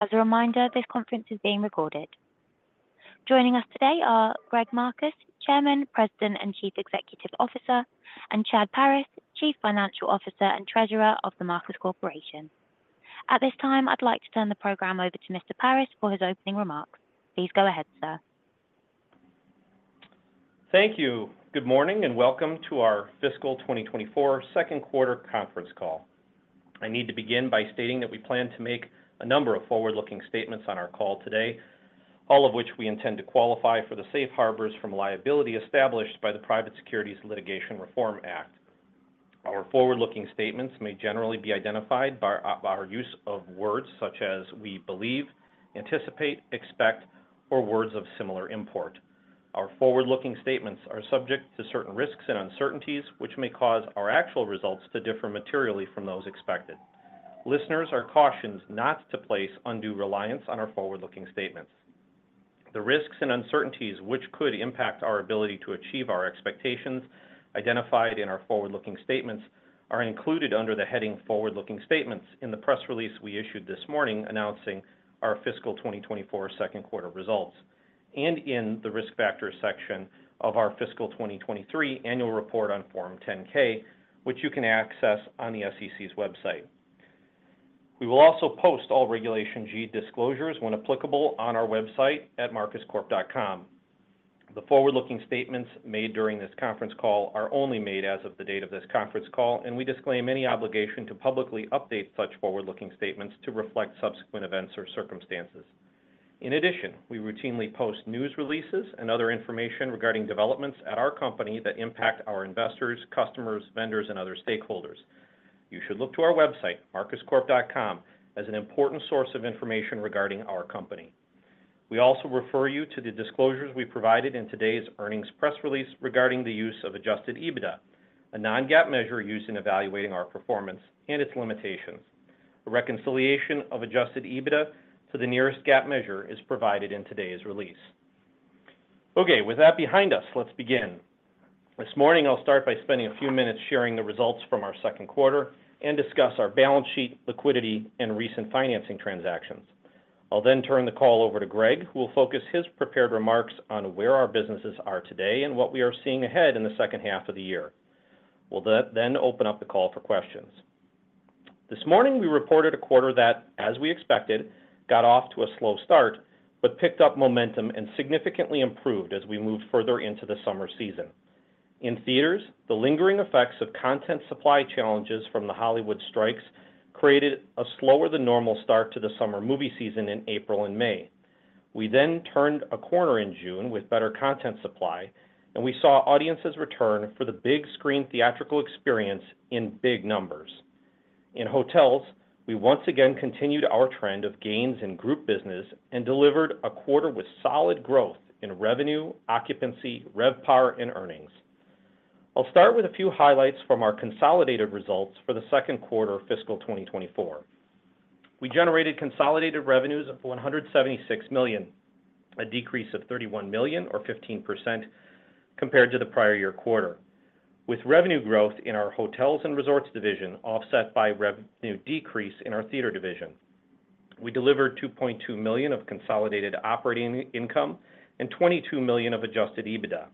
As a reminder, this conference is being recorded. Joining us today are Greg Marcus, Chairman, President, and Chief Executive Officer; and Chad Paris, Chief Financial Officer and Treasurer of The Marcus Corporation. At this time, I'd like to turn the program over to Mr. Paris for his opening remarks. Please go ahead, sir. Thank you. Good morning and welcome to our Fiscal 2024 second quarter conference call. I need to begin by stating that we plan to make a number of forward-looking statements on our call today, all of which we intend to qualify for the safe harbors from liability established by the Private Securities Litigation Reform Act. Our forward-looking statements may generally be identified by our use of words such as "we believe," "anticipate," "expect," or words of similar import. Our forward-looking statements are subject to certain risks and uncertainties, which may cause our actual results to differ materially from those expected. Listeners are cautioned not to place undue reliance on our forward-looking statements. The risks and uncertainties which could impact our ability to achieve our expectations identified in our forward-looking statements are included under the heading "Forward-looking Statements" in the press release we issued this morning announcing our Fiscal 2024 second quarter results, and in the risk factor section of our Fiscal 2023 annual report on Form 10-K, which you can access on the SEC's website. We will also post all Regulation G disclosures when applicable on our website at marcuscorp.com. The forward-looking statements made during this conference call are only made as of the date of this conference call, and we disclaim any obligation to publicly update such forward-looking statements to reflect subsequent events or circumstances. In addition, we routinely post news releases and other information regarding developments at our company that impact our investors, customers, vendors, and other stakeholders. You should look to our website, marcuscorp.com, as an important source of information regarding our company. We also refer you to the disclosures we provided in today's earnings press release regarding the use of adjusted EBITDA, a non-GAAP measure used in evaluating our performance and its limitations. A reconciliation of adjusted EBITDA to the nearest GAAP measure is provided in today's release. Okay, with that behind us, let's begin. This morning, I'll start by spending a few minutes sharing the results from our second quarter and discuss our balance sheet, liquidity, and recent financing transactions. I'll then turn the call over to Greg, who will focus his prepared remarks on where our businesses are today and what we are seeing ahead in the second half of the year. We'll then open up the call for questions. This morning, we reported a quarter that, as we expected, got off to a slow start but picked up momentum and significantly improved as we moved further into the summer season. In theaters, the lingering effects of content supply challenges from the Hollywood strikes created a slower-than-normal start to the summer movie season in April and May. We then turned a corner in June with better content supply, and we saw audiences return for the big-screen theatrical experience in big numbers. In hotels, we once again continued our trend of gains in group business and delivered a quarter with solid growth in revenue, occupancy, RevPAR, and earnings. I'll start with a few highlights from our consolidated results for the second quarter of Fiscal 2024. We generated consolidated revenues of $176 million, a decrease of $31 million, or 15%, compared to the prior year quarter, with revenue growth in our hotels and resorts division offset by revenue decrease in our theater division. We delivered $2.2 million of consolidated operating income and $22 million of Adjusted EBITDA.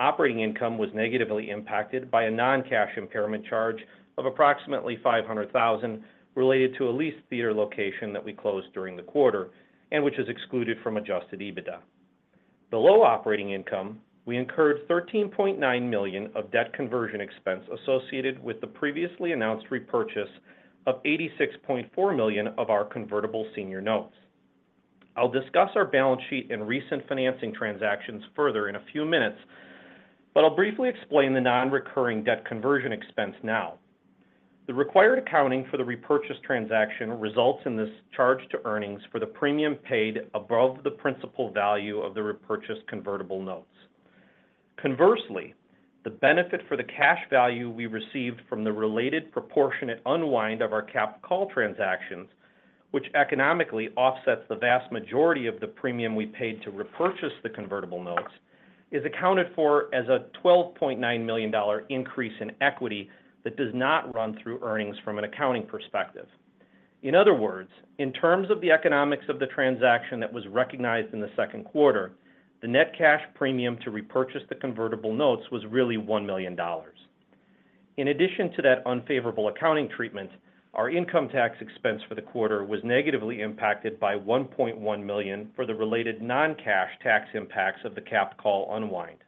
Operating income was negatively impacted by a non-cash impairment charge of approximately $500,000 related to a leased theater location that we closed during the quarter and which is excluded from Adjusted EBITDA. Below operating income, we incurred $13.9 million of debt conversion expense associated with the previously announced repurchase of $86.4 million of our convertible senior notes. I'll discuss our balance sheet and recent financing transactions further in a few minutes, but I'll briefly explain the non-recurring debt conversion expense now. The required accounting for the repurchase transaction results in this charge to earnings for the premium paid above the principal value of the repurchased convertible notes. Conversely, the benefit for the cash value we received from the related proportionate unwind of our cap call transactions, which economically offsets the vast majority of the premium we paid to repurchase the convertible notes, is accounted for as a $12.9 million increase in equity that does not run through earnings from an accounting perspective. In other words, in terms of the economics of the transaction that was recognized in the second quarter, the net cash premium to repurchase the convertible notes was really $1 million. In addition to that unfavorable accounting treatment, our income tax expense for the quarter was negatively impacted by $1.1 million for the related non-cash tax impacts of the cap call unwind.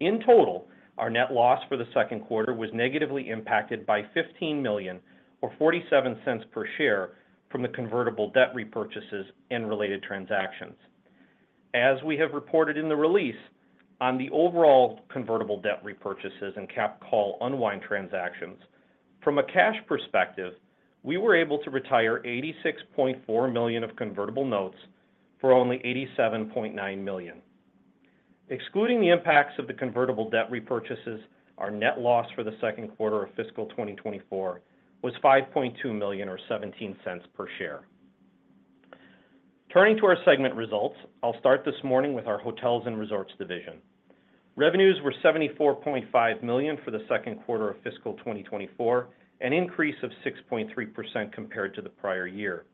In total, our net loss for the second quarter was negatively impacted by $15 million, or $0.47 per share, from the convertible debt repurchases and related transactions. As we have reported in the release on the overall convertible debt repurchases and cap call unwind transactions, from a cash perspective, we were able to retire $86.4 million of convertible notes for only $87.9 million. Excluding the impacts of the convertible debt repurchases, our net loss for the second quarter of Fiscal 2024 was $5.2 million, or $0.17 per share. Turning to our segment results, I'll start this morning with our hotels and resorts division. Revenues were $74.5 million for the second quarter of Fiscal 2024, an increase of 6.3% compared to the prior year.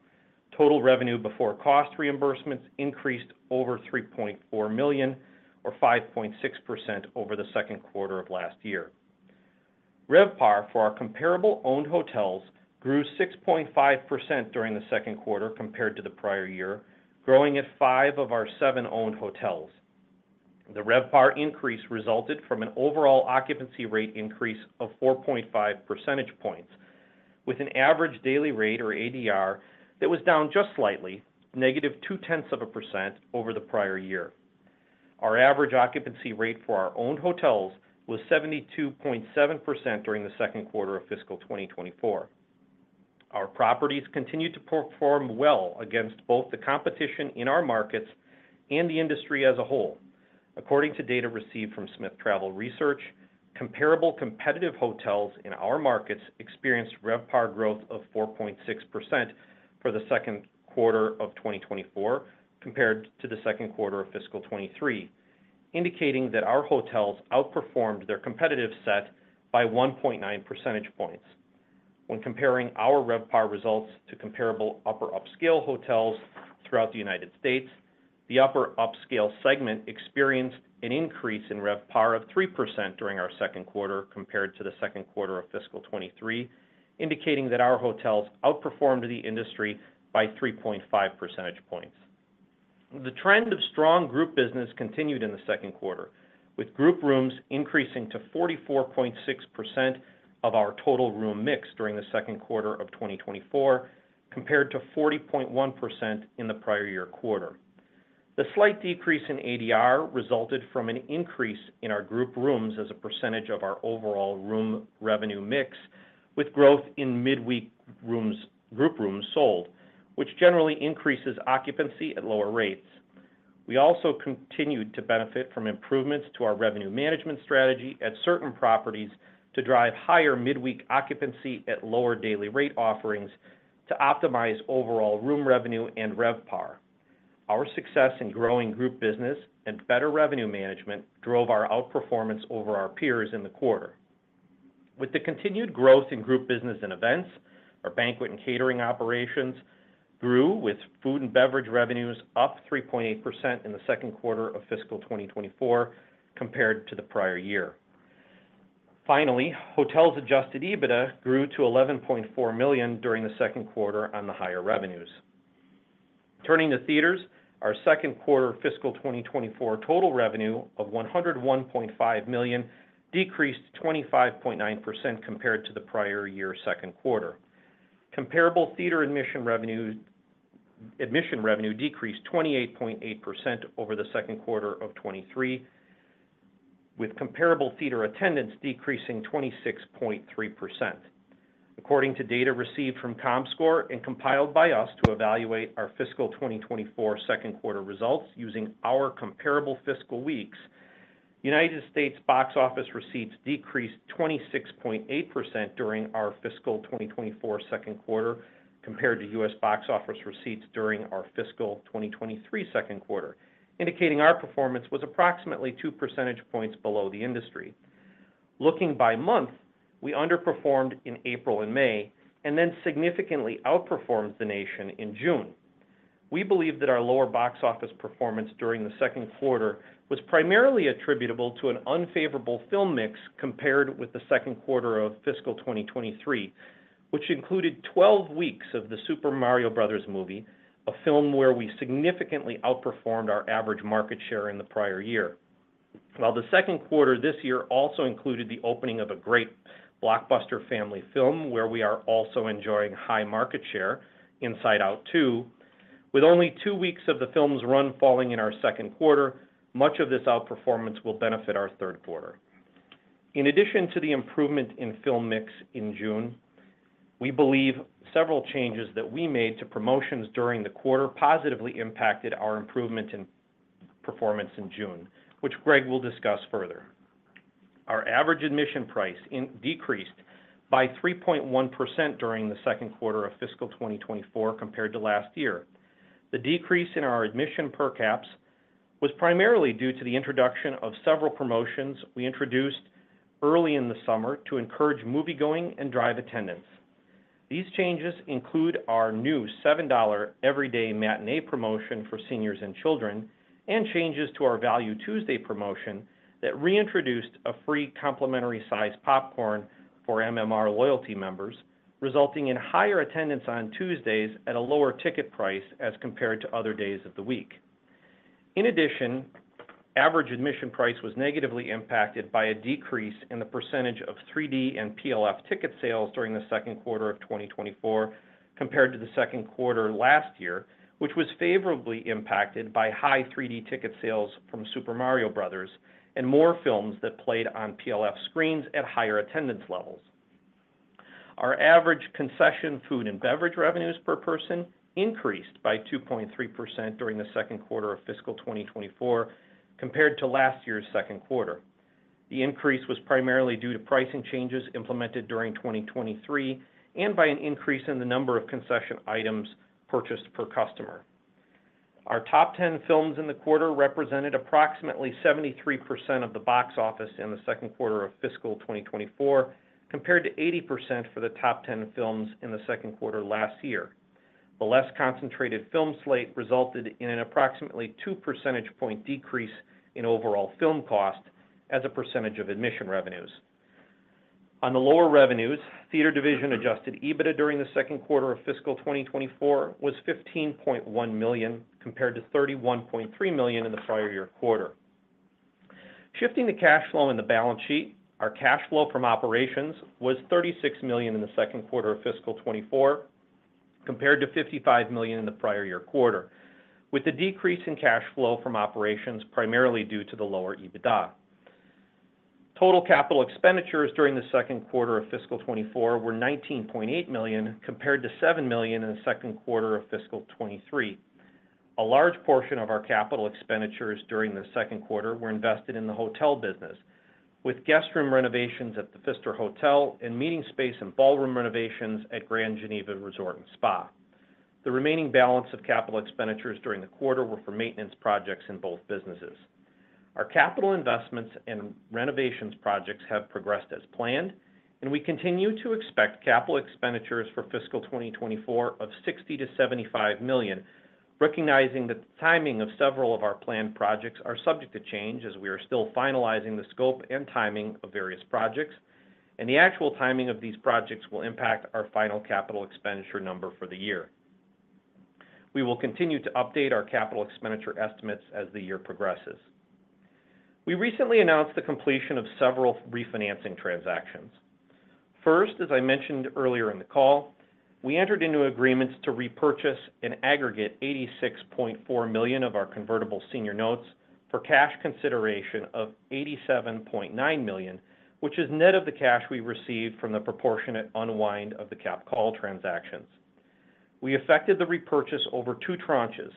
Total revenue before cost reimbursements increased over $3.4 million, or 5.6%, over the second quarter of last year. RevPAR for our comparable owned hotels grew 6.5% during the second quarter compared to the prior year, growing at 5 of our 7 owned hotels. The RevPAR increase resulted from an overall occupancy rate increase of 4.5 percentage points, with an average daily rate, or ADR, that was down just slightly, -0.2%, over the prior year. Our average occupancy rate for our owned hotels was 72.7% during the second quarter of Fiscal 2024. Our properties continued to perform well against both the competition in our markets and the industry as a whole. According to data received from Smith Travel Research, comparable competitive hotels in our markets experienced RevPAR growth of 4.6% for the second quarter of 2024 compared to the second quarter of Fiscal 2023, indicating that our hotels outperformed their competitive set by 1.9 percentage points. When comparing our RevPAR results to comparable upper-upscale hotels throughout the United States, the upper-upscale segment experienced an increase in RevPAR of 3% during our second quarter compared to the second quarter of Fiscal 2023, indicating that our hotels outperformed the industry by 3.5 percentage points. The trend of strong group business continued in the second quarter, with group rooms increasing to 44.6% of our total room mix during the second quarter of 2024, compared to 40.1% in the prior year quarter. The slight decrease in ADR resulted from an increase in our group rooms as a percentage of our overall room revenue mix, with growth in midweek group rooms sold, which generally increases occupancy at lower rates. We also continued to benefit from improvements to our revenue management strategy at certain properties to drive higher midweek occupancy at lower daily rate offerings to optimize overall room revenue and RevPAR. Our success in growing group business and better revenue management drove our outperformance over our peers in the quarter. With the continued growth in group business and events, our banquet and catering operations grew, with food and beverage revenues up 3.8% in the second quarter of Fiscal 2024 compared to the prior year. Finally, hotels' Adjusted EBITDA grew to $11.4 million during the second quarter on the higher revenues. Turning to theaters, our second quarter of Fiscal 2024 total revenue of $101.5 million decreased 25.9% compared to the prior year second quarter. Comparable theater admission revenue decreased 28.8% over the second quarter of 2023, with comparable theater attendance decreasing 26.3%. According to data received from Comscore and compiled by us to evaluate our Fiscal 2024 second quarter results using our comparable fiscal weeks, United States box office receipts decreased 26.8% during our Fiscal 2024 second quarter compared to U.S. box office receipts during our Fiscal 2023 second quarter, indicating our performance was approximately two percentage points below the industry. Looking by month, we underperformed in April and May and then significantly outperformed the nation in June. We believe that our lower box office performance during the second quarter was primarily attributable to an unfavorable film mix compared with the second quarter of Fiscal 2023, which included 12 weeks of the Super Mario Bros. Movie, a film where we significantly outperformed our average market share in the prior year. While the second quarter this year also included the opening of a great blockbuster family film where we are also enjoying high market share, Inside Out 2, with only two weeks of the film's run falling in our second quarter, much of this outperformance will benefit our third quarter. In addition to the improvement in film mix in June, we believe several changes that we made to promotions during the quarter positively impacted our improvement in performance in June, which Greg will discuss further. Our average admission price decreased by 3.1% during the second quarter of Fiscal 2024 compared to last year. The decrease in our admission per caps was primarily due to the introduction of several promotions we introduced early in the summer to encourage movie-going and drive attendance. These changes include our new $7 Everyday Matinee promotion for seniors and children and changes to our Value Tuesday promotion that reintroduced a free complimentary-sized popcorn for MMR loyalty members, resulting in higher attendance on Tuesdays at a lower ticket price as compared to other days of the week. In addition, average admission price was negatively impacted by a decrease in the percentage of 3D and PLF ticket sales during the second quarter of 2024 compared to the second quarter last year, which was favorably impacted by high 3D ticket sales from Super Mario Bros. and more films that played on PLF screens at higher attendance levels. Our average concession food and beverage revenues per person increased by 2.3% during the second quarter of Fiscal 2024 compared to last year's second quarter. The increase was primarily due to pricing changes implemented during 2023 and by an increase in the number of concession items purchased per customer. Our top 10 films in the quarter represented approximately 73% of the box office in the second quarter of Fiscal 2024 compared to 80% for the top 10 films in the second quarter last year. The less concentrated film slate resulted in an approximately 2 percentage point decrease in overall film cost as a percentage of admission revenues. On the lower revenues, theater division Adjusted EBITDA during the second quarter of Fiscal 2024 was $15.1 million compared to $31.3 million in the prior year quarter. Shifting the cash flow in the balance sheet, our cash flow from operations was $36 million in the second quarter of Fiscal 2024 compared to $55 million in the prior year quarter, with a decrease in cash flow from operations primarily due to the lower EBITDA. Total capital expenditures during the second quarter of Fiscal 2024 were $19.8 million compared to $7 million in the second quarter of Fiscal 2023. A large portion of our capital expenditures during the second quarter were invested in the hotel business, with guest room renovations at the Pfister Hotel and meeting space and ballroom renovations at Grand Geneva Resort and Spa. The remaining balance of capital expenditures during the quarter were for maintenance projects in both businesses. Our capital investments and renovations projects have progressed as planned, and we continue to expect capital expenditures for Fiscal 2024 of $60 million-$75 million, recognizing that the timing of several of our planned projects is subject to change as we are still finalizing the scope and timing of various projects, and the actual timing of these projects will impact our final capital expenditure number for the year. We will continue to update our capital expenditure estimates as the year progresses. We recently announced the completion of several refinancing transactions. First, as I mentioned earlier in the call, we entered into agreements to repurchase and aggregate $86.4 million of our convertible senior notes for cash consideration of $87.9 million, which is net of the cash we received from the proportionate unwind of the cap call transactions. We affected the repurchase over two tranches.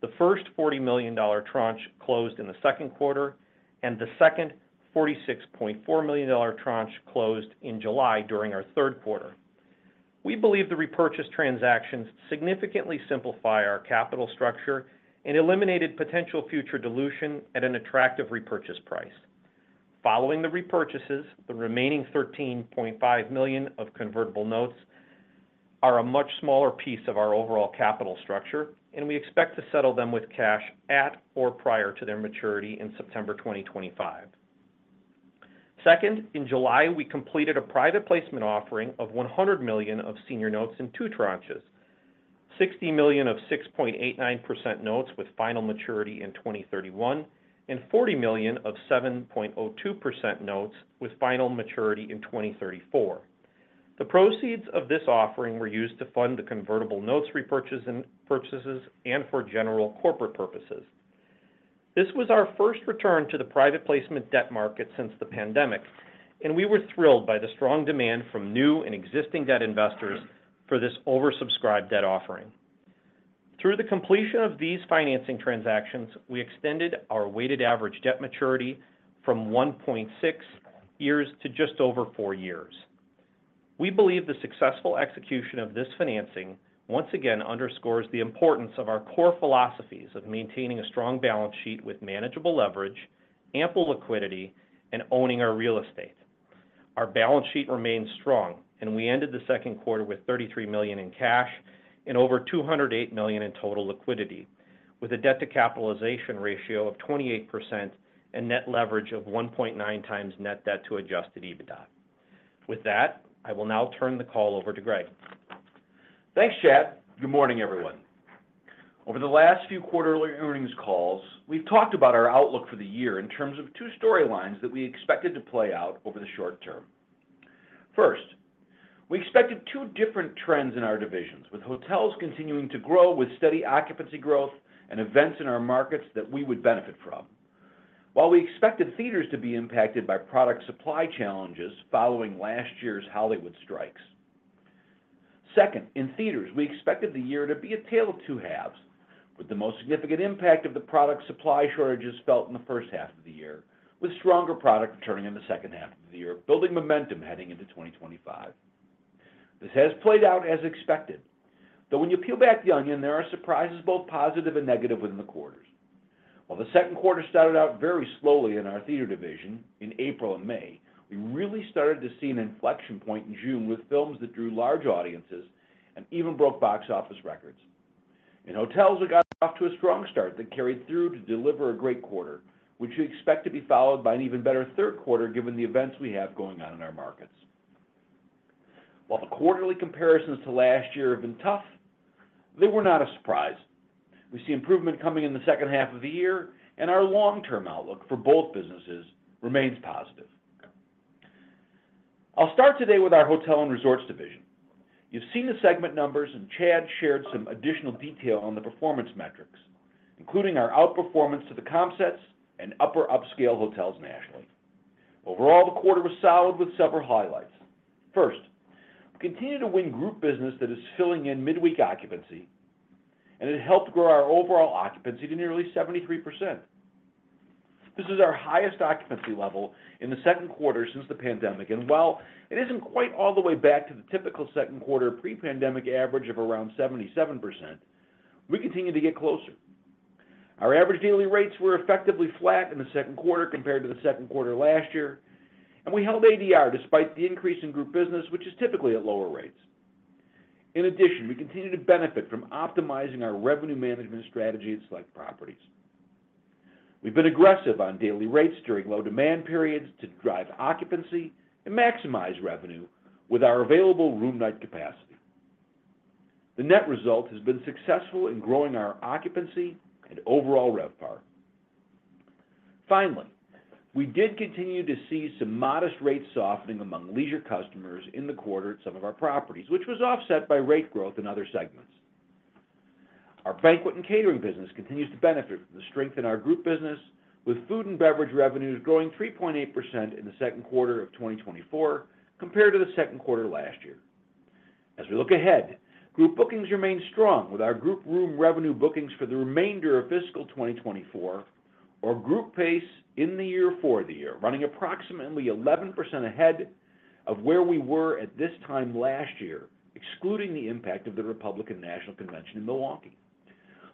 The first $40 million tranche closed in the second quarter, and the second $46.4 million tranche closed in July during our third quarter. We believe the repurchase transactions significantly simplify our capital structure and eliminated potential future dilution at an attractive repurchase price. Following the repurchases, the remaining $13.5 million of convertible notes are a much smaller piece of our overall capital structure, and we expect to settle them with cash at or prior to their maturity in September 2025. Second, in July, we completed a private placement offering of $100 million of senior notes in two tranches, $60 million of 6.89% notes with final maturity in 2031, and $40 million of 7.02% notes with final maturity in 2034. The proceeds of this offering were used to fund the convertible notes repurchases and for general corporate purposes. This was our first return to the private placement debt market since the pandemic, and we were thrilled by the strong demand from new and existing debt investors for this oversubscribed debt offering. Through the completion of these financing transactions, we extended our weighted average debt maturity from 1.6 years to just over four years. We believe the successful execution of this financing once again underscores the importance of our core philosophies of maintaining a strong balance sheet with manageable leverage, ample liquidity, and owning our real estate. Our balance sheet remained strong, and we ended the second quarter with $33 million in cash and over $208 million in total liquidity, with a debt-to-capitalization ratio of 28% and net leverage of 1.9 times net debt to adjusted EBITDA. With that, I will now turn the call over to Greg. Thanks, Chad. Good morning, everyone. Over the last few quarterly earnings calls, we've talked about our outlook for the year in terms of two storylines that we expected to play out over the short term. First, we expected two different trends in our divisions, with hotels continuing to grow with steady occupancy growth and events in our markets that we would benefit from, while we expected theaters to be impacted by product supply challenges following last year's Hollywood strikes. Second, in theaters, we expected the year to be a tale of two halves, with the most significant impact of the product supply shortages felt in the first half of the year, with stronger product returning in the second half of the year, building momentum heading into 2025. This has played out as expected, though when you peel back the onion, there are surprises, both positive and negative, within the quarters. While the second quarter started out very slowly in our theater division in April and May, we really started to see an inflection point in June with films that drew large audiences and even broke box office records. In hotels, we got off to a strong start that carried through to deliver a great quarter, which we expect to be followed by an even better third quarter given the events we have going on in our markets. While the quarterly comparisons to last year have been tough, they were not a surprise. We see improvement coming in the second half of the year, and our long-term outlook for both businesses remains positive. I'll start today with our hotel and resorts division. You've seen the segment numbers, and Chad shared some additional detail on the performance metrics, including our outperformance to the comp sets and upper upscale hotels nationally. Overall, the quarter was solid with several highlights. First, we continue to win group business that is filling in midweek occupancy, and it helped grow our overall occupancy to nearly 73%. This is our highest occupancy level in the second quarter since the pandemic, and while it isn't quite all the way back to the typical second quarter pre-pandemic average of around 77%, we continue to get closer. Our average daily rates were effectively flat in the second quarter compared to the second quarter last year, and we held ADR despite the increase in group business, which is typically at lower rates. In addition, we continue to benefit from optimizing our revenue management strategies like properties. We've been aggressive on daily rates during low demand periods to drive occupancy and maximize revenue with our available room night capacity. The net result has been successful in growing our occupancy and overall RevPAR. Finally, we did continue to see some modest rate softening among leisure customers in the quarter at some of our properties, which was offset by rate growth in other segments. Our banquet and catering business continues to benefit from the strength in our group business, with food and beverage revenues growing 3.8% in the second quarter of 2024 compared to the second quarter last year. As we look ahead, group bookings remain strong with our group room revenue bookings for the remainder of fiscal 2024, or group pace in the year for the year, running approximately 11% ahead of where we were at this time last year, excluding the impact of the Republican National Convention in Milwaukee.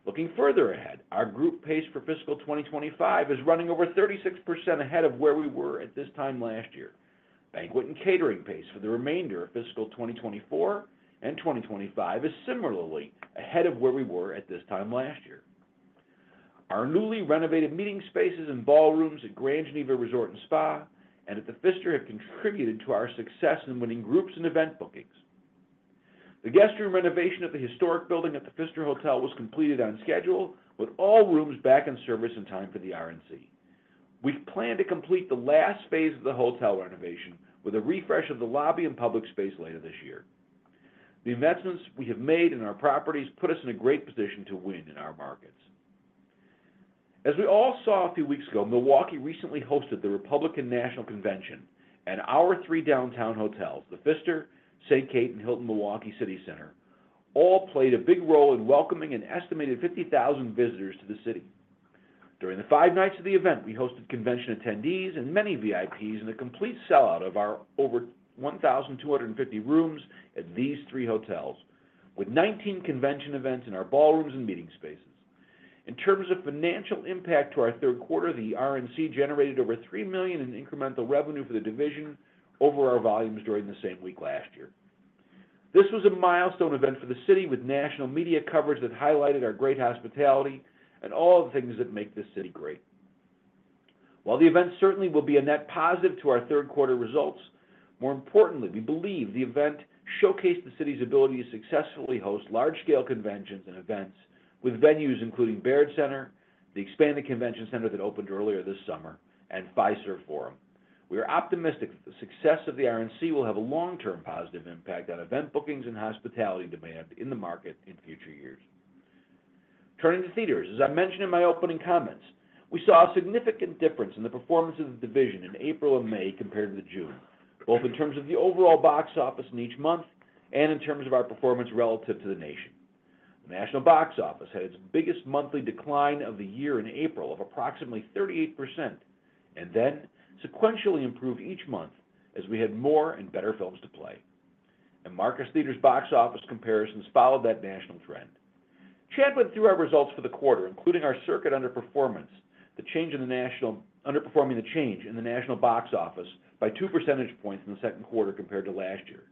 Looking further ahead, our group pace for fiscal 2025 is running over 36% ahead of where we were at this time last year. Banquet and catering pace for the remainder of fiscal 2024 and 2025 is similarly ahead of where we were at this time last year. Our newly renovated meeting spaces and ballrooms at Grand Geneva Resort and Spa and at the Pfister have contributed to our success in winning groups and event bookings. The guest room renovation of the historic building at the Pfister Hotel was completed on schedule, with all rooms back in service in time for the RNC. We plan to complete the last phase of the hotel renovation with a refresh of the lobby and public space later this year. The investments we have made in our properties put us in a great position to win in our markets. As we all saw a few weeks ago, Milwaukee recently hosted the Republican National Convention, and our three downtown hotels, the Pfister, St. Kate, and Hilton Milwaukee City Center, all played a big role in welcoming an estimated 50,000 visitors to the city. During the five nights of the event, we hosted convention attendees and many VIPs in a complete sellout of our over 1,250 rooms at these three hotels, with 19 convention events in our ballrooms and meeting spaces. In terms of financial impact to our third quarter, the RNC generated over $3 million in incremental revenue for the division over our volumes during the same week last year. This was a milestone event for the city, with national media coverage that highlighted our great hospitality and all the things that make this city great. While the event certainly will be a net positive to our third quarter results, more importantly, we believe the event showcased the city's ability to successfully host large-scale conventions and events with venues including Baird Center, the expanded convention center that opened earlier this summer, and Fiserv Forum. We are optimistic that the success of the RNC will have a long-term positive impact on event bookings and hospitality demand in the market in future years. Turning to theaters, as I mentioned in my opening comments, we saw a significant difference in the performance of the division in April and May compared to June, both in terms of the overall box office in each month and in terms of our performance relative to the nation. The national box office had its biggest monthly decline of the year in April of approximately 38% and then sequentially improved each month as we had more and better films to play. Marcus Theatres' box office comparisons followed that national trend. Chad went through our results for the quarter, including our circuit underperformance, the change in the national underperforming the change in the national box office by two percentage points in the second quarter compared to last year.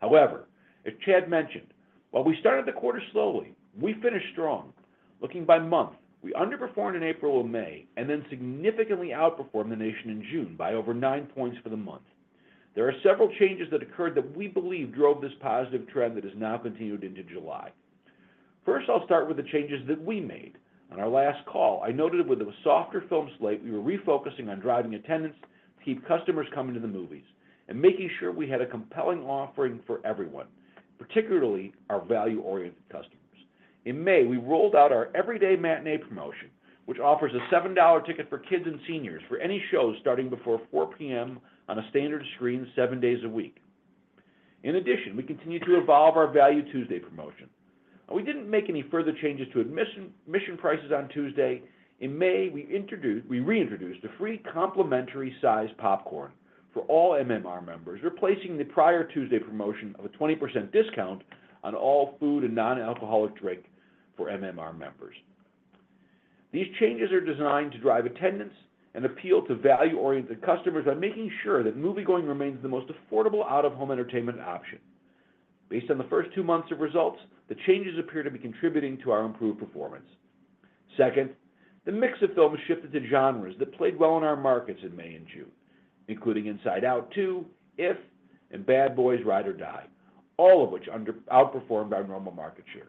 However, as Chad mentioned, while we started the quarter slowly, we finished strong. Looking by month, we underperformed in April and May and then significantly outperformed the nation in June by over nine points for the month. There are several changes that occurred that we believe drove this positive trend that has now continued into July. First, I'll start with the changes that we made. On our last call, I noted with a softer film slate, we were refocusing on driving attendance to keep customers coming to the movies and making sure we had a compelling offering for everyone, particularly our value-oriented customers. In May, we rolled out our Everyday Matinee promotion, which offers a $7 ticket for kids and seniors for any shows starting before 4:00 P.M. on a standard screen seven days a week. In addition, we continue to evolve our Value Tuesday promotion. We didn't make any further changes to admission prices on Tuesday. In May, we reintroduced a free complimentary-sized popcorn for all MMR members, replacing the prior Tuesday promotion of a 20% discount on all food and non-alcoholic drinks for MMR members. These changes are designed to drive attendance and appeal to value-oriented customers by making sure that moviegoing remains the most affordable out-of-home entertainment option. Based on the first two months of results, the changes appear to be contributing to our improved performance. Second, the mix of films shifted to genres that played well in our markets in May and June, including Inside Out 2, IF, and Bad Boys: Ride or Die, all of which outperformed our normal market share.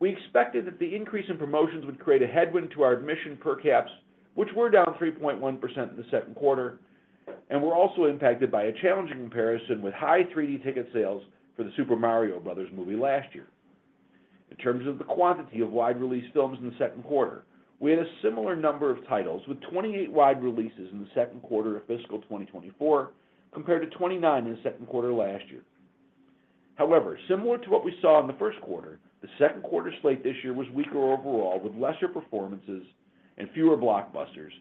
We expected that the increase in promotions would create a headwind to our admission per caps, which were down 3.1% in the second quarter, and were also impacted by a challenging comparison with high 3D ticket sales for the Super Mario Bros. movie last year. In terms of the quantity of wide-release films in the second quarter, we had a similar number of titles with 28 wide releases in the second quarter of fiscal 2024 compared to 29 in the second quarter last year. However, similar to what we saw in the first quarter, the second quarter slate this year was weaker overall with lesser performances and fewer blockbusters,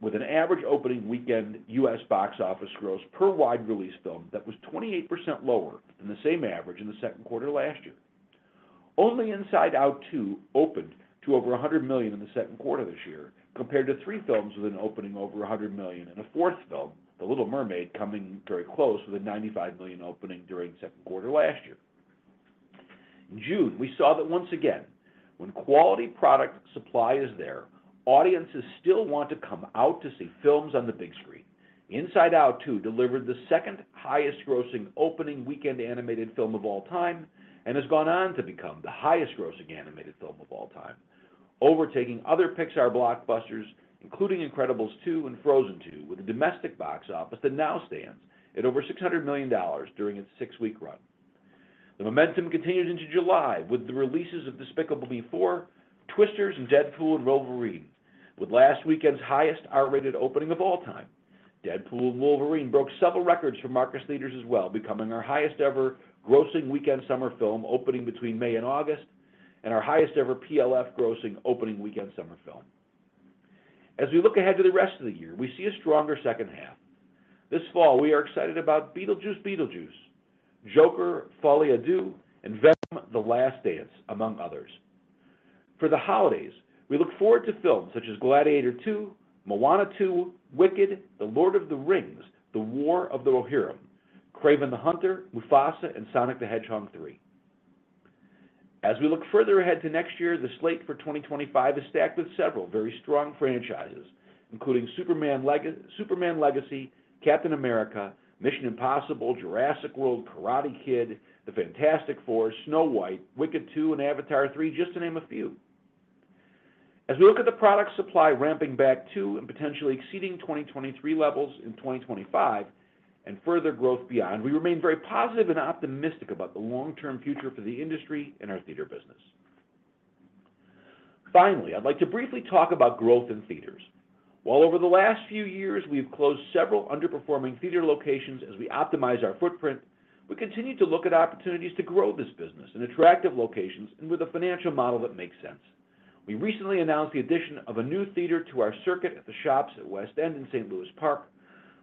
with an average opening weekend U.S. box office gross per wide-release film that was 28% lower than the same average in the second quarter last year. Only Inside Out 2 opened to over $100 million in the second quarter this year compared to three films with an opening over $100 million and a fourth film, The Little Mermaid, coming very close with a $95 million opening during the second quarter last year. In June, we saw that once again, when quality product supply is there, audiences still want to come out to see films on the big screen. Inside Out 2 delivered the second highest-grossing opening weekend animated film of all time and has gone on to become the highest-grossing animated film of all time, overtaking other Pixar blockbusters, including Incredibles 2 and Frozen 2, with a domestic box office that now stands at over $600 million during its six-week run. The momentum continues into July with the releases of Despicable Me 4, Twisters, and Deadpool & Wolverine, with last weekend's highest R-rated opening of all time. Deadpool & Wolverine broke several records for Marcus Theatres as well, becoming our highest-ever grossing weekend summer film opening between May and August and our highest-ever PLF grossing opening weekend summer film. As we look ahead to the rest of the year, we see a stronger second half. This fall, we are excited about Beetlejuice Beetlejuice, Joker: Folie à Deux and Venom: The Last Dance, among others. For the holidays, we look forward to films such as Gladiator 2, Moana 2, Wicked, The Lord of the Rings: The War of the Rohirrim, Kraven the Hunter, Mufasa, and Sonic the Hedgehog 3. As we look further ahead to next year, the slate for 2025 is stacked with several very strong franchises, including Superman Legacy, Captain America, Mission Impossible, Jurassic World, Karate Kid, The Fantastic Four, Snow White, Wicked 2, and Avatar 3, just to name a few. As we look at the product supply ramping back to and potentially exceeding 2023 levels in 2025 and further growth beyond, we remain very positive and optimistic about the long-term future for the industry and our theater business. Finally, I'd like to briefly talk about growth in theaters. While over the last few years, we have closed several underperforming theater locations as we optimize our footprint, we continue to look at opportunities to grow this business in attractive locations and with a financial model that makes sense. We recently announced the addition of a new theater to our circuit at The Shops at West End in St. Louis Park,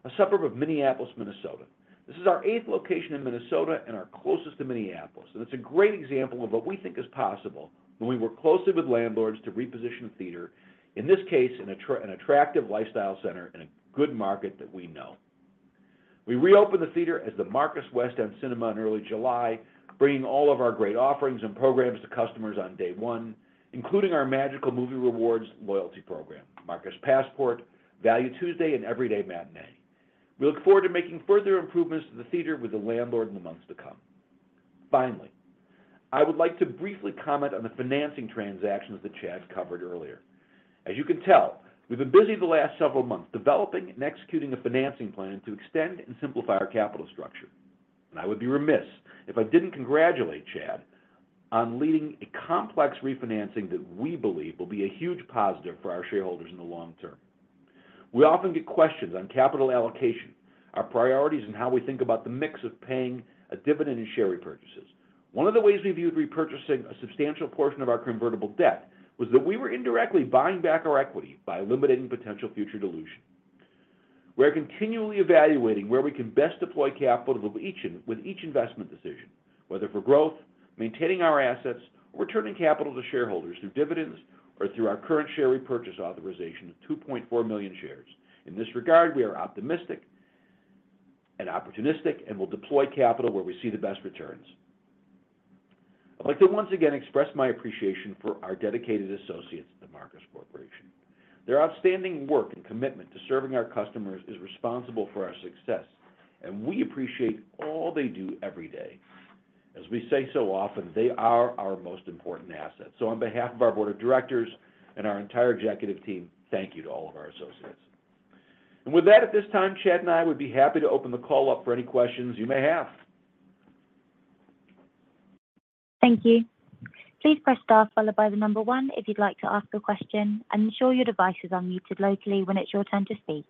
a suburb of Minneapolis, Minnesota. This is our eighth location in Minnesota and our closest to Minneapolis, and it's a great example of what we think is possible when we work closely with landlords to reposition a theater, in this case, in an attractive lifestyle center in a good market that we know. We reopened the theater as the Marcus West End Cinema in early July, bringing all of our great offerings and programs to customers on day one, including our Magical Movie Rewards loyalty program, Marcus Passport, Value Tuesday, and Everyday Matinee. We look forward to making further improvements to the theater with the landlord in the months to come. Finally, I would like to briefly comment on the financing transactions that Chad covered earlier. As you can tell, we've been busy the last several months developing and executing a financing plan to extend and simplify our capital structure. I would be remiss if I didn't congratulate Chad on leading a complex refinancing that we believe will be a huge positive for our shareholders in the long term. We often get questions on capital allocation, our priorities, and how we think about the mix of paying a dividend and share repurchases. One of the ways we viewed repurchasing a substantial portion of our convertible debt was that we were indirectly buying back our equity by eliminating potential future dilution. We are continually evaluating where we can best deploy capital with each investment decision, whether for growth, maintaining our assets, or returning capital to shareholders through dividends or through our current share repurchase authorization of 2.4 million shares. In this regard, we are optimistic and opportunistic and will deploy capital where we see the best returns. I'd like to once again express my appreciation for our dedicated associates at Marcus Corporation. Their outstanding work and commitment to serving our customers is responsible for our success, and we appreciate all they do every day. As we say so often, they are our most important asset. So on behalf of our board of directors and our entire executive team, thank you to all of our associates. And with that, at this time, Chad and I would be happy to open the call up for any questions you may have. Thank you. Please press star followed by 1 if you'd like to ask a question, and ensure your device is unmuted locally when it's your turn to speak.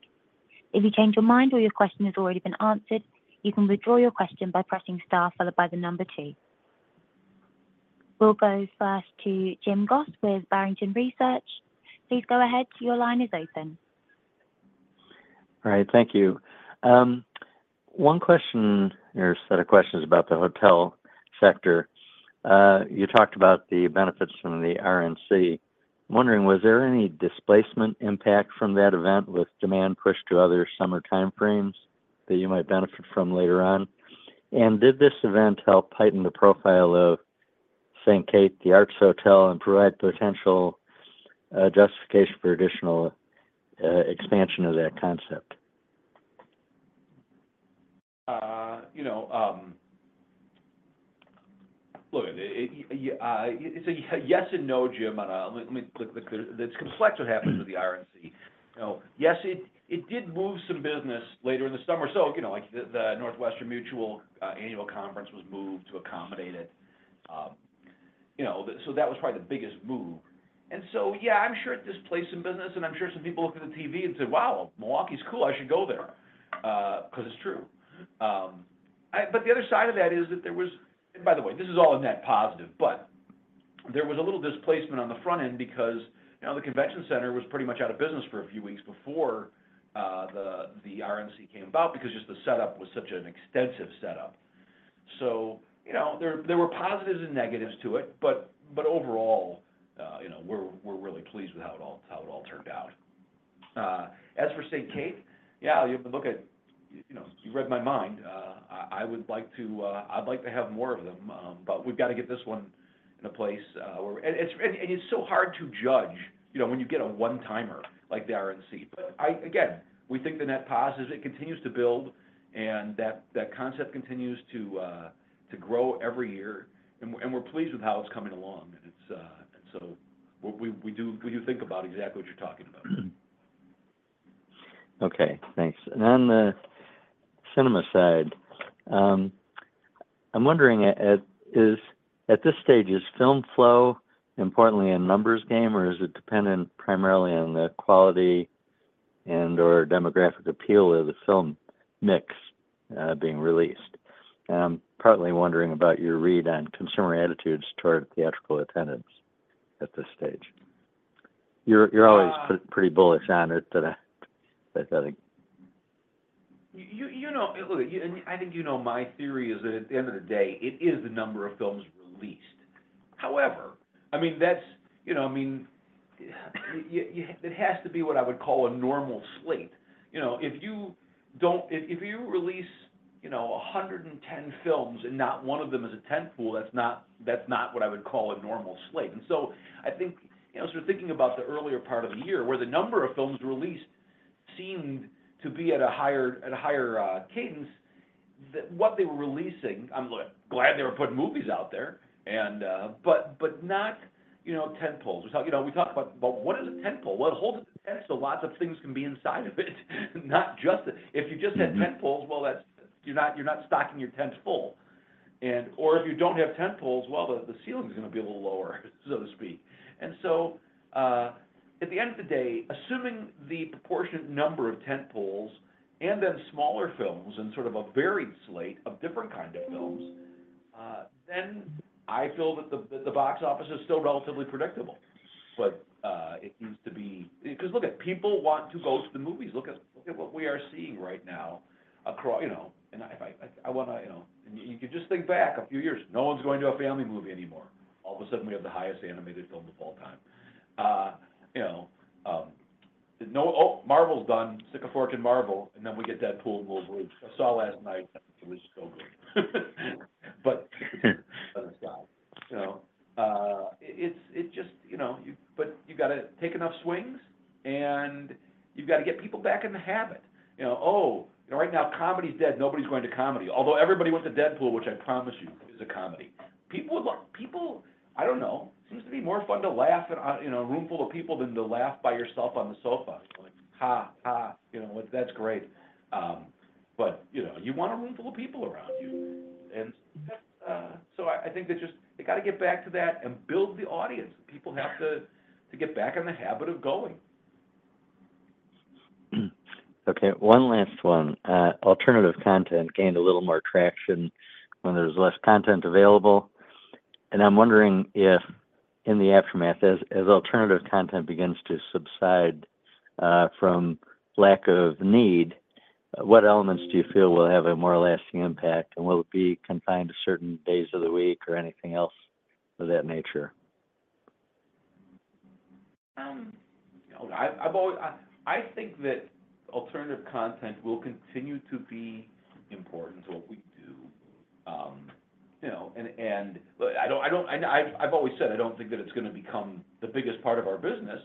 If you change your mind or your question has already been answered, you can withdraw your question by pressing star followed by 2. We'll go first to Jim Goss with Barrington Research. Please go ahead. Your line is open. All right. Thank you. One question or set of questions about the hotel sector. You talked about the benefits from the RNC. I'm wondering, was there any displacement impact from that event with demand pushed to other summer timeframes that you might benefit from later on? And did this event help heighten the profile of St. Kate – The Arts Hotel, and provide potential justification for additional expansion of that concept? Look, it's a yes and no, Jim. Let me look at this. It's complex what happens with the RNC. Yes, it did move some business later in the summer. So the Northwestern Mutual annual conference was moved to accommodate it. So that was probably the biggest move. And so, yeah, I'm sure it displaced some business, and I'm sure some people looked at the TV and said, "Wow, Milwaukee's cool. I should go there," because it's true. But the other side of that is that there was, by the way, this is all a net positive, but there was a little displacement on the front end because the convention center was pretty much out of business for a few weeks before the R&C came about because just the setup was such an extensive setup. So there were positives and negatives to it, but overall, we're really pleased with how it all turned out. As for St. Kate, yeah, you read my mind. I would like to have more of them, but we've got to get this one in a place where it's, and it's so hard to judge when you get a one-timer like the R&C. But again, we think the net positive is it continues to build and that concept continues to grow every year, and we're pleased with how it's coming along. So we do think about exactly what you're talking about. Okay. Thanks. On the cinema side, I'm wondering, at this stage, is film flow importantly a numbers game, or is it dependent primarily on the quality and/or demographic appeal of the film mix being released? I'm partly wondering about your read on consumer attitudes toward theatrical attendance at this stage. You're always pretty bullish on it, but I think. Look, I think you know my theory is that at the end of the day, it is the number of films released. However, I mean, that's. I mean, it has to be what I would call a normal slate. If you release 110 films and not one of them is a tentpole, that's not what I would call a normal slate. And so I think, sort of thinking about the earlier part of the year, where the number of films released seemed to be at a higher cadence, what they were releasing, I'm glad they were putting movies out there, but not tentpoles. We talk about, "Well, what is a tentpole? What holds it?" So lots of things can be inside of it, not just that. If you just had tentpoles, well, you're not stocking your tent full. Or if you don't have tentpoles, well, the ceiling's going to be a little lower, so to speak. And so at the end of the day, assuming the proportionate number of tentpoles and then smaller films and sort of a varied slate of different kinds of films, then I feel that the box office is still relatively predictable. But it needs to be, because look at people wanting to go to the movies. Look at what we are seeing right now. And I want to, and you can just think back a few years. No one's going to a family movie anymore. All of a sudden, we have the highest animated film of all time. Oh, Marvel's done.uncertain and Marvel. And then we get Deadpool & Wolverine. I saw last night. It was so good. But it's just, but you've got to take enough swings, and you've got to get people back in the habit. Oh, right now, comedy's dead. Nobody's going to comedy. Although everybody went to Deadpool, which I promise you is a comedy. People would love, I don't know. It seems to be more fun to laugh in a roomful of people than to laugh by yourself on the sofa. Ha, ha. That's great. But you want a roomful of people around you. And so I think that just you've got to get back to that and build the audience. People have to get back in the habit of going. Okay. One last one. Alternative content gained a little more traction when there's less content available. And I'm wondering if, in the aftermath, as alternative content begins to subside from lack of need, what elements do you feel will have a more lasting impact, and will it be confined to certain days of the week or anything else of that nature? I think that alternative content will continue to be important to what we do. And I've always said I don't think that it's going to become the biggest part of our business.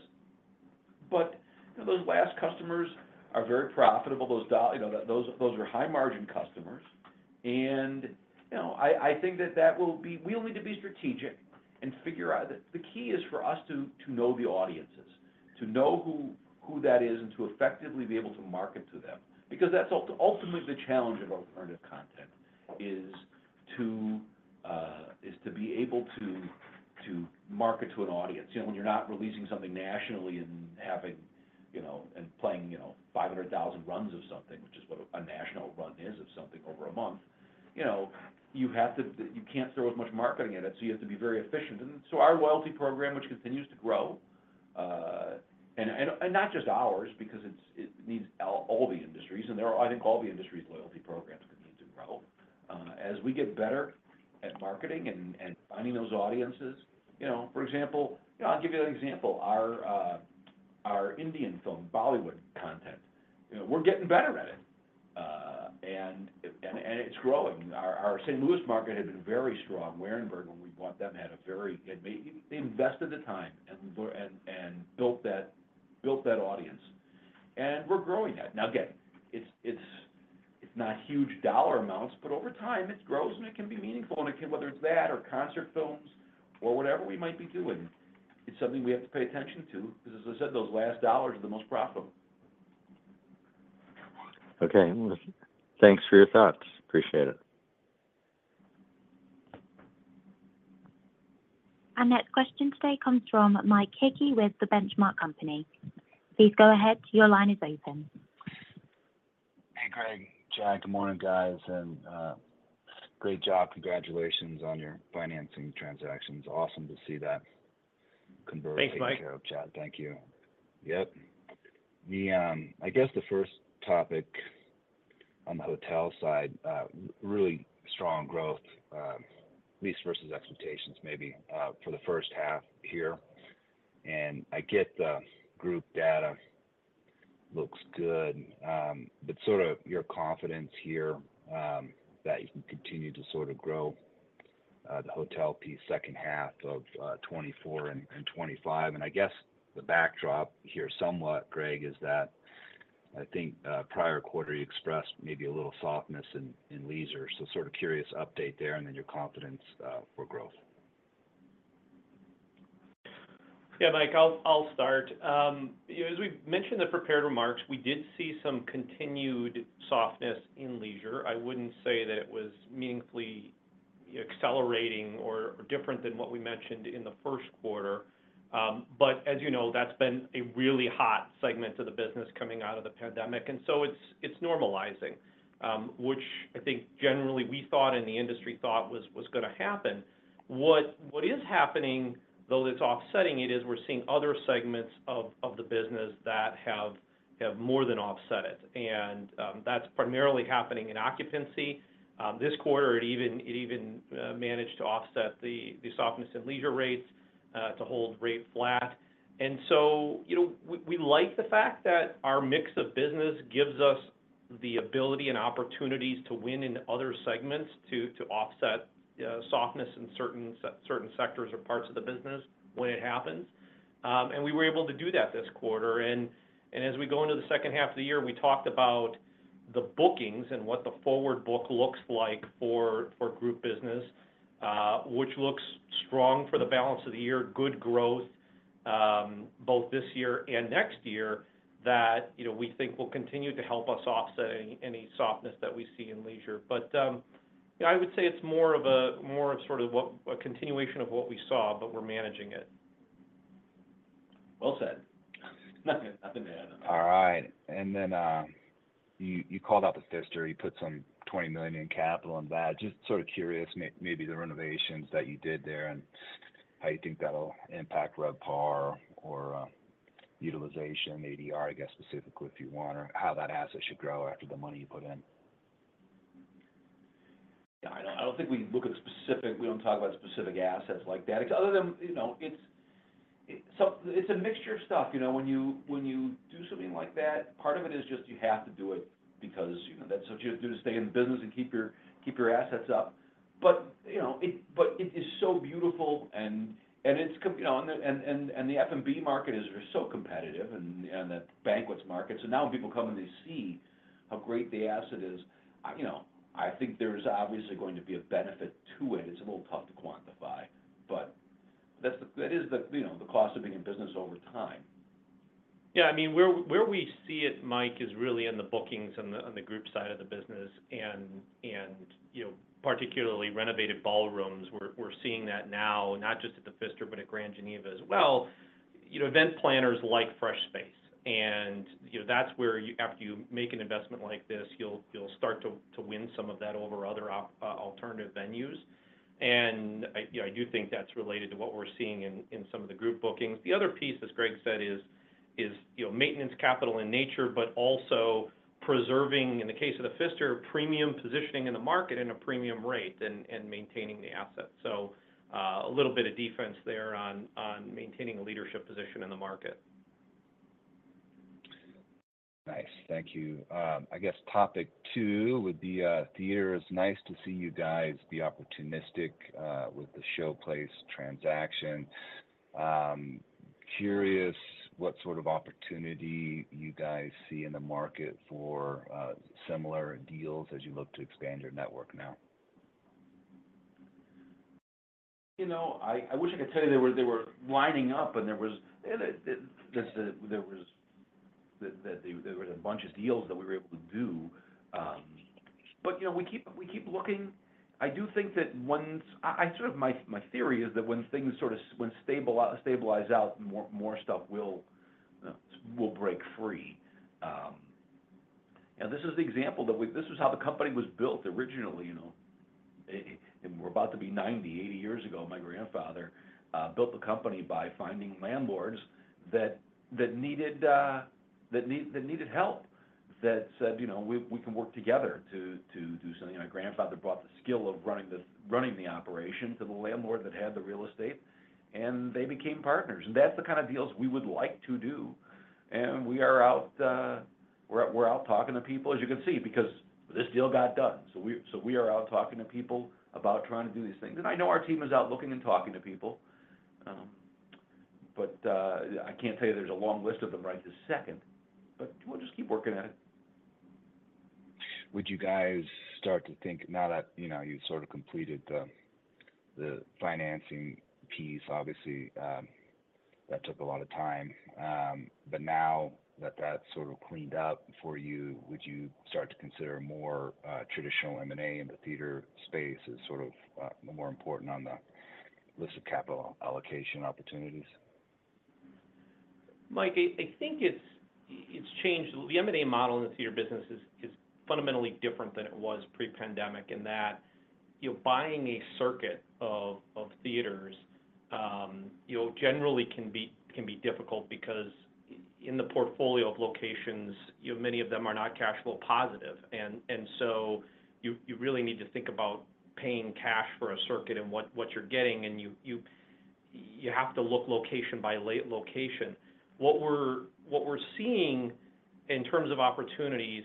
But those last customers are very profitable. Those are high-margin customers. And I think that that will be—we'll need to be strategic and figure out that the key is for us to know the audiences, to know who that is, and to effectively be able to market to them. Because that's ultimately the challenge of alternative content, is to be able to market to an audience. When you're not releasing something nationally and playing 500,000 runs of something, which is what a national run is of something over a month, you can't throw as much marketing at it. So you have to be very efficient. And so our loyalty program, which continues to grow, and not just ours because it needs all the industries, and I think all the industries' loyalty programs continue to grow, as we get better at marketing and finding those audiences. For example, I'll give you an example. Our Indian film, Bollywood content, we're getting better at it, and it's growing. Our St. Louis market had been very strong. Wehrenberg, when we bought them, had a very. They invested the time and built that audience. We're growing that. Now, again, it's not huge dollar amounts, but over time, it grows, and it can be meaningful. Whether it's that or concert films or whatever we might be doing, it's something we have to pay attention to because, as I said, those last dollars are the most profitable. Okay. Thanks for your thoughts. Appreciate it. Our next question today comes from Mike Hickey with The Benchmark Company. Please go ahead. Your line is open. Hey, Greg. Chad, good morning, guys. Great job. Congratulations on your financing transactions. Awesome to see that conversation. Thanks, Mike. Thank you. Thanks, Greg. Chad, thank you. Yep. I guess the first topic on the hotel side, really strong growth, at least versus expectations maybe for the first half here. And I get the group data looks good, but sort of your confidence here that you can continue to sort of grow the hotel piece second half of 2024 and 2025. And I guess the backdrop here somewhat, Greg, is that I think prior quarter you expressed maybe a little softness in leisure. So sort of curious update there and then your confidence for growth. Yeah, Mike, I'll start. As we mentioned the prepared remarks, we did see some continued softness in leisure. I wouldn't say that it was meaningfully accelerating or different than what we mentioned in the first quarter. But as you know, that's been a really hot segment of the business coming out of the pandemic. And so it's normalizing, which I think generally we thought and the industry thought was going to happen. What is happening, though, that's offsetting it is we're seeing other segments of the business that have more than offset it. And that's primarily happening in occupancy. This quarter, it even managed to offset the softness in leisure rates to hold rate flat. And so we like the fact that our mix of business gives us the ability and opportunities to win in other segments to offset softness in certain sectors or parts of the business when it happens. And we were able to do that this quarter. As we go into the second half of the year, we talked about the bookings and what the forward book looks like for group business, which looks strong for the balance of the year, good growth both this year and next year that we think will continue to help us offset any softness that we see in leisure. But I would say it's more of sort of a continuation of what we saw, but we're managing it. Well said. Nothing to add. All right. And then you called out the Pfister. You put some $20 million in capital in that. Just sort of curious maybe the renovations that you did there and how you think that'll impact RevPAR or utilization, ADR, I guess, specifically if you want, or how that asset should grow after the money you put in. I don't think we look at specific—we don't talk about specific assets like that. Other than it's a mixture of stuff. When you do something like that, part of it is just you have to do it because that's what you do to stay in the business and keep your assets up. But it is so beautiful, and it's—and the F&B market is so competitive and the banquets market. So now when people come and they see how great the asset is, I think there's obviously going to be a benefit to it. It's a little tough to quantify, but that is the cost of being in business over time. Yeah. I mean, where we see it, Mike, is really in the bookings on the group side of the business. And particularly renovated ballrooms, we're seeing that now, not just at the Pfister, but at Grand Geneva as well. Event planners like fresh space. And that's where after you make an investment like this, you'll start to win some of that over other alternative venues. And I do think that's related to what we're seeing in some of the group bookings. The other piece, as Greg said, is maintenance capital in nature, but also preserving, in the case of the Pfister, premium positioning in the market at a premium rate and maintaining the asset. So a little bit of defense there on maintaining a leadership position in the market. Nice. Thank you. I guess topic two would be theaters. Nice to see you guys be opportunistic with the Showplace transaction. Curious what sort of opportunity you guys see in the market for similar deals as you look to expand your network now. I wish I could tell you they were lining up, and there were a bunch of deals that we were able to do. But we keep looking. I do think that once, my theory is that when things sort of stabilize out, more stuff will break free. This is the example that this is how the company was built originally. And we're about to be 90, 80 years ago. My grandfather built the company by finding landlords that needed help, that said, "We can work together to do something." My grandfather brought the skill of running the operation to the landlord that had the real estate, and they became partners. And that's the kind of deals we would like to do. And we are out talking to people, as you can see, because this deal got done. So we are out talking to people about trying to do these things. And I know our team is out looking and talking to people. But I can't tell you there's a long list of them right this second, but we'll just keep working at it. Would you guys start to think now that you've sort of completed the financing piece, obviously, that took a lot of time? But now that that's sort of cleaned up for you, would you start to consider more traditional M&A in the theater space as sort of more important on the list of capital allocation opportunities? Mike, I think it's changed. The M&A model in the theater business is fundamentally different than it was pre-pandemic in that buying a circuit of theaters generally can be difficult because in the portfolio of locations, many of them are not cash flow positive. And so you really need to think about paying cash for a circuit and what you're getting. And you have to look location by location. What we're seeing in terms of opportunities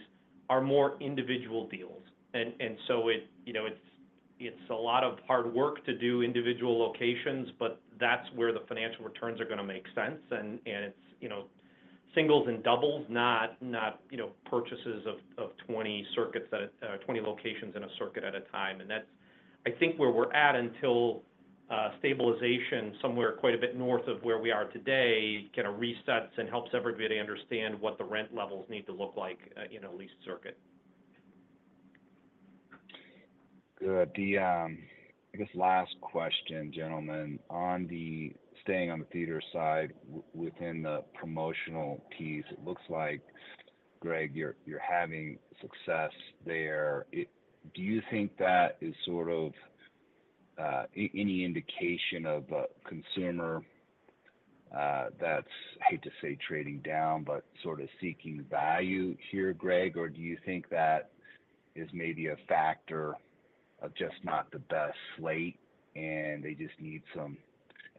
are more individual deals. And so it's a lot of hard work to do individual locations, but that's where the financial returns are going to make sense. And it's singles and doubles, not purchases of 20 locations in a circuit at a time. And that's, I think, where we're at until stabilization somewhere quite a bit north of where we are today kind of resets and helps everybody understand what the rent levels need to look like in a leased circuit. Good. I guess last question, gentlemen. On the staying on the theater side within the promotional piece, it looks like, Greg, you're having success there. Do you think that is sort of any indication of a consumer that's, I hate to say, trading down, but sort of seeking value here, Greg? Or do you think that is maybe a factor of just not the best slate and they just need some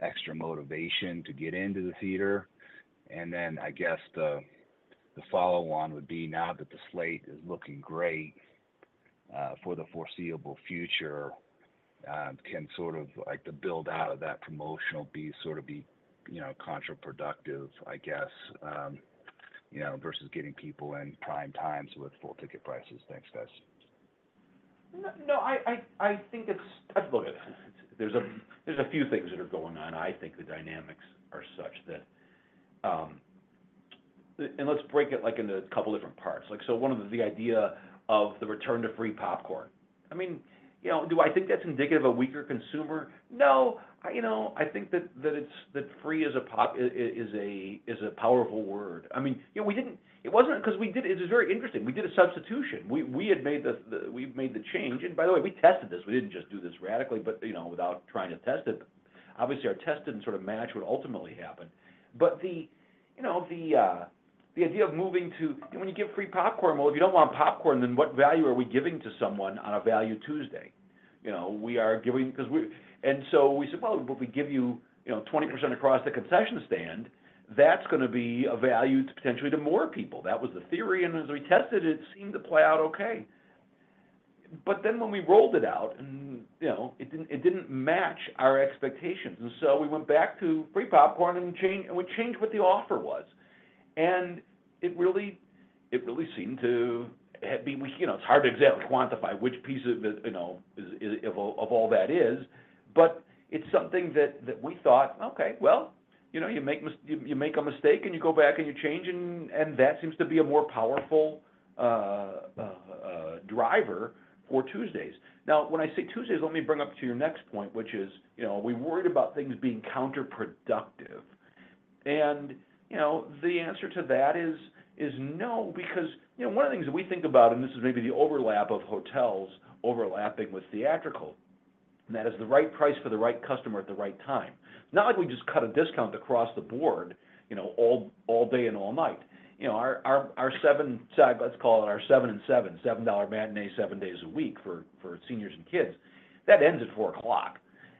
extra motivation to get into the theater? And then I guess the follow-on would be now that the slate is looking great for the foreseeable future, can sort of the build-out of that promotional piece sort of be counterproductive, I guess, versus getting people in prime times with full ticket prices. Thanks, guys. No, I think it's, look at it. There's a few things that are going on. I think the dynamics are such that, and let's break it into a couple of different parts. So one of the ideas of the return to free popcorn. I mean, do I think that's indicative of a weaker consumer? No. I think that free is a powerful word. I mean, it wasn't because we did. It was very interesting. We did a substitution. We had made the change and, by the way, we tested this. We didn't just do this radically, but without trying to test it. Obviously, our test didn't sort of match what ultimately happened. But the idea of moving to, when you give free popcorn, well, if you don't want popcorn, then what value are we giving to someone on a Value Tuesday? We are giving, and so we said, "Well, if we give you 20% across the concession stand, that's going to be a value potentially to more people." That was the theory. And as we tested it, it seemed to play out okay. But then when we rolled it out, it didn't match our expectations. And so we went back to free popcorn and changed what the offer was. And it really seemed to, it's hard to quantify which piece of all that is. But it's something that we thought, "Okay, well, you make a mistake and you go back and you change, and that seems to be a more powerful driver for Tuesdays." Now, when I say Tuesdays, let me bring up to your next point, which is we worried about things being counterproductive. And the answer to that is no because one of the things that we think about, and this is maybe the overlap of hotels overlapping with theatrical, and that is the right price for the right customer at the right time. It's not like we just cut a discount across the board all day and all night. Our seven, let's call it our seven and seven, $7 matinee seven days a week for seniors and kids. That ends at 4:00 P.M.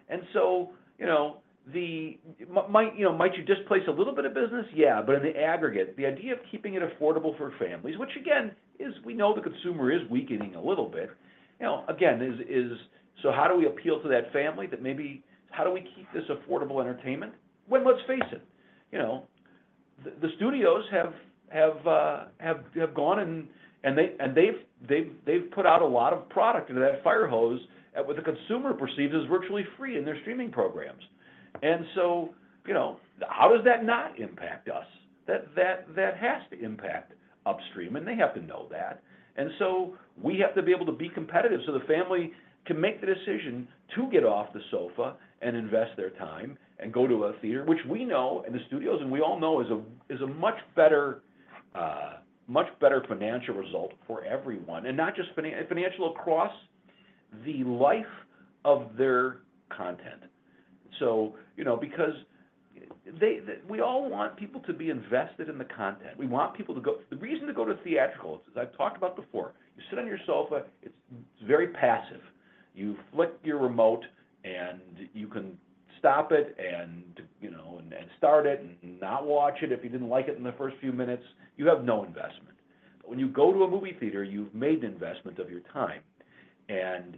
And so might you just place a little bit of business? Yeah. But in the aggregate, the idea of keeping it affordable for families, which again, we know the consumer is weakening a little bit, again, is, so how do we appeal to that family that maybe, how do we keep this affordable entertainment? When let's face it, the studios have gone and they've put out a lot of product into that fire hose with a consumer perceived as virtually free in their streaming programs. And so how does that not impact us? That has to impact upstream, and they have to know that. And so we have to be able to be competitive so the family can make the decision to get off the sofa and invest their time and go to a theater, which we know and the studios and we all know is a much better financial result for everyone, and not just financial across the life of their content. So because we all want people to be invested in the content. We want people to go. The reason to go to theatrical, as I've talked about before, you sit on your sofa. It's very passive. You flick your remote and you can stop it and start it and not watch it if you didn't like it in the first few minutes. You have no investment. But when you go to a movie theater, you've made an investment of your time. And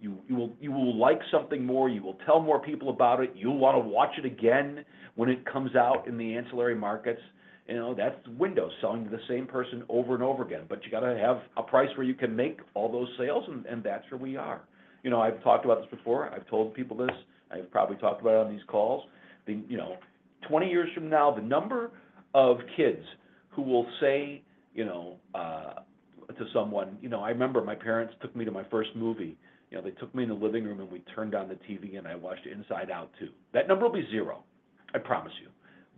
you will like something more. You will tell more people about it. You'll want to watch it again when it comes out in the ancillary markets. That's windows selling to the same person over and over again. But you got to have a price where you can make all those sales, and that's where we are. I've talked about this before. I've told people this. I've probably talked about it on these calls. 20 years from now, the number of kids who will say to someone, "I remember my parents took me to my first movie. They took me in the living room and we turned on the TV and I watched Inside Out 2." That number will be 0, I promise you.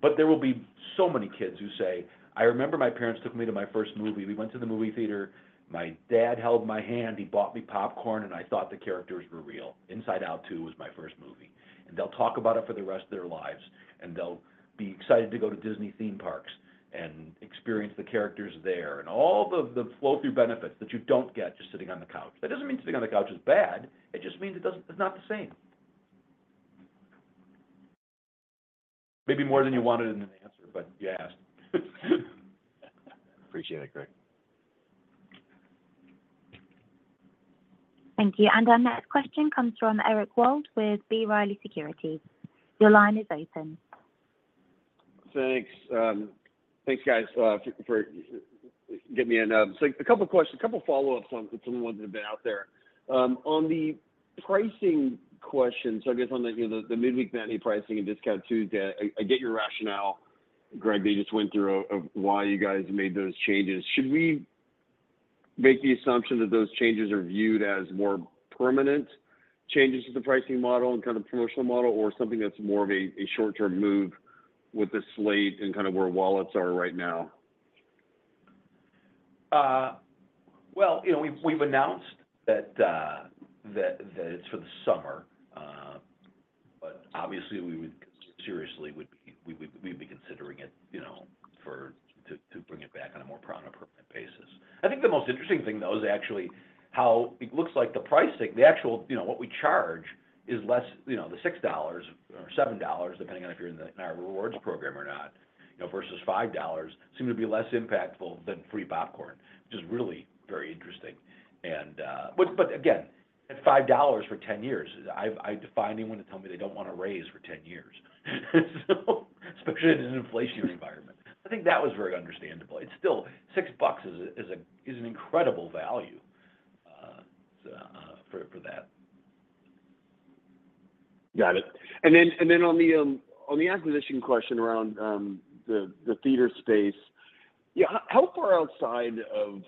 But there will be so many kids who say, "I remember my parents took me to my first movie. We went to the movie theater. My dad held my hand. He bought me popcorn and I thought the characters were real. Inside Out 2 was my first movie." They'll talk about it for the rest of their lives. They'll be excited to go to Disney theme parks and experience the characters there and all the flow-through benefits that you don't get just sitting on the couch. That doesn't mean sitting on the couch is bad. It just means it's not the same. Maybe more than you wanted in an answer, but you asked. Appreciate it, Greg. Thank you. And our next question comes from Eric Wold with B. Riley Securities. Your line is open. Thanks. Thanks, guys, for getting me in. So a couple of questions, a couple of follow-ups on some of the ones that have been out there. On the pricing question, so I guess on the midweek matinee pricing and discount Tuesday, I get your rationale, Greg, that you just went through of why you guys made those changes. Should we make the assumption that those changes are viewed as more permanent changes to the pricing model and kind of promotional model or something that's more of a short-term move with the slate and kind of where wallets are right now? Well, we've announced that it's for the summer. But obviously, we would seriously—we'd be considering it to bring it back on a more permanent basis. I think the most interesting thing, though, is actually how it looks like the pricing, the actual what we charge is less—the $6 or $7, depending on if you're in our rewards program or not, versus $5, seem to be less impactful than free popcorn. Just really very interesting. But again, at $5 for 10 years, I find anyone to tell me they don't want to raise for 10 years, especially in an inflationary environment. I think that was very understandable. It's still $6 is an incredible value for that. Got it. And then on the acquisition question around the theater space, how far outside of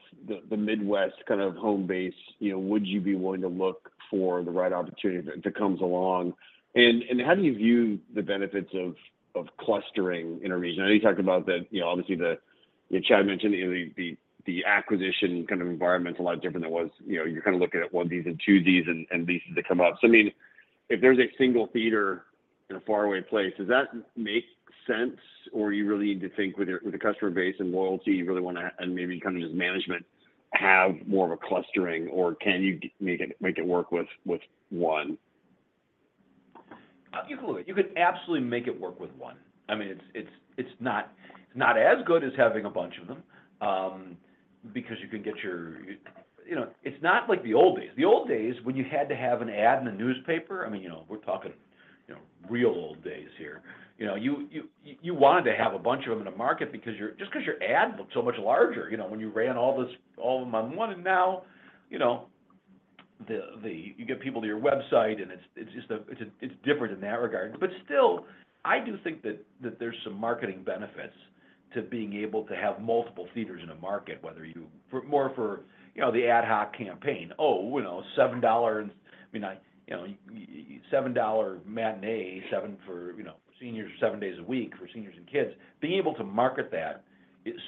the Midwest kind of home base would you be willing to look for the right opportunity if it comes along? And how do you view the benefits of clustering in a region? I know you talked about that, obviously, Chad mentioned the acquisition kind of environment's a lot different than it was. You're kind of looking at one of these and two of these and leases that come up. So I mean, if there's a single theater in a faraway place, does that make sense? Or you really need to think with the customer base and loyalty you really want to—and maybe kind of just management—have more of a clustering? Or can you make it work with one? You could absolutely make it work with one. I mean, it's not as good as having a bunch of them because you can get your, it's not like the old days. The old days, when you had to have an ad in the newspaper, I mean, we're talking real old days here, you wanted to have a bunch of them in a market just because your ad looked so much larger when you ran all of them on one. And now you get people to your website, and it's different in that regard. But still, I do think that there's some marketing benefits to being able to have multiple theaters in a market, whether you, more for the ad hoc campaign. Oh, $7, I mean, $7 matinee, 7 for seniors for 7 days a week for seniors and kids. Being able to market that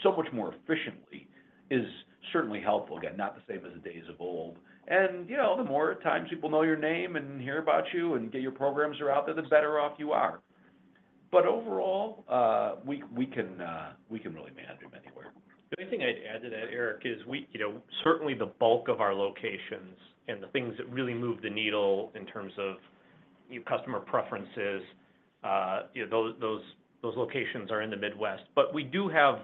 so much more efficiently is certainly helpful. Again, not the same as the days of old. And the more times people know your name and hear about you and get your programs that are out there, the better off you are. But overall, we can really manage them anywhere. The only thing I'd add to that, Eric, is certainly the bulk of our locations and the things that really move the needle in terms of customer preferences, those locations are in the Midwest. But we do have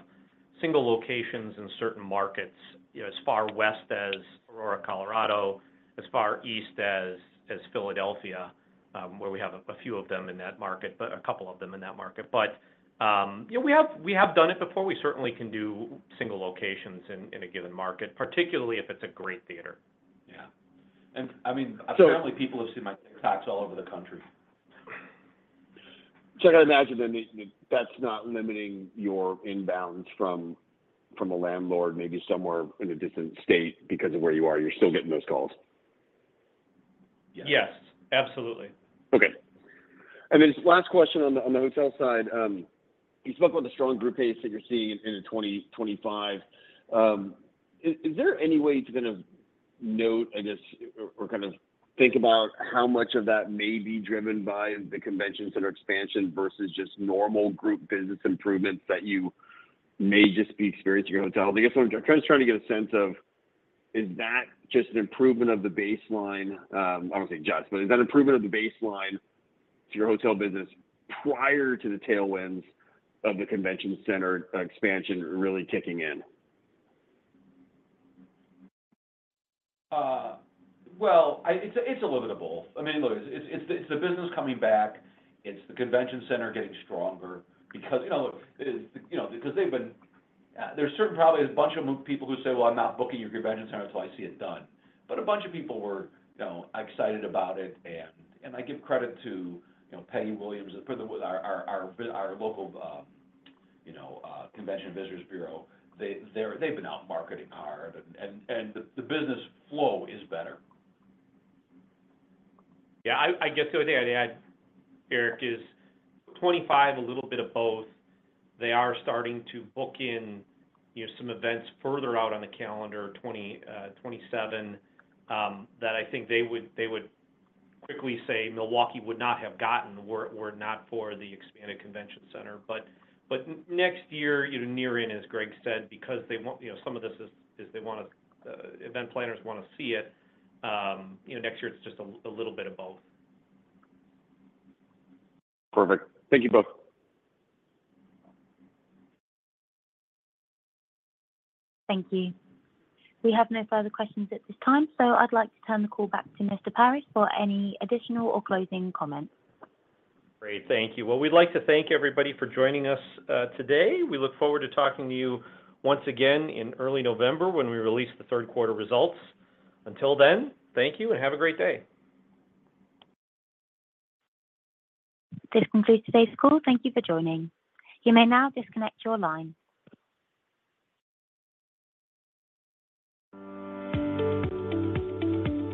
single locations in certain markets as far west as Aurora, Colorado, as far east as Philadelphia, where we have a few of them in that market, a couple of them in that market. But we have done it before. We certainly can do single locations in a given market, particularly if it's a great theater. Yeah. And I mean, apparently, people have seen my TikToks all over the country. So I got to imagine then that's not limiting your inbounds from a landlord, maybe somewhere in a distant state because of where you are. You're still getting those calls. Yes. Absolutely. Okay. And then last question on the hotel side. You spoke about the strong group base that you're seeing in 2025. Is there any way to kind of note, I guess, or kind of think about how much of that may be driven by the convention center expansion versus just normal group business improvements that you may just be experiencing in your hotel? I guess I'm kind of trying to get a sense of, is that just an improvement of the baseline? I won't say just, but is that an improvement of the baseline to your hotel business prior to the tailwinds of the convention center expansion really kicking in? Well, it's a little bit of both. I mean, look, it's the business coming back. It's the convention center getting stronger because look, because they've been, there's certainly probably a bunch of people who say, "Well, I'm not booking your convention center until I see it done." But a bunch of people were excited about it. And I give credit to Peggy Williams-Smith for our local convention visitors bureau. They've been out marketing hard, and the business flow is better. Yeah. I guess the only thing I'd add, Eric, is 2025, a little bit of both. They are starting to book in some events further out on the calendar, 2027, that I think they would quickly say Milwaukee would not have gotten were it not for the expanded convention center. But next year, near in, as Greg said, because they want some of this is they want to, event planners want to see it. Next year, it's just a little bit of both. Perfect. Thank you both. Thank you. We have no further questions at this time. So I'd like to turn the call back to Mr. Paris for any additional or closing comments. Great. Thank you. Well, we'd like to thank everybody for joining us today. We look forward to talking to you once again in early November when we release the third quarter results. Until then, thank you and have a great day. This concludes today's call. Thank you for joining. You may now disconnect your line.